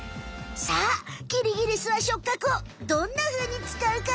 さあキリギリスは触角をどんなふうに使うかな？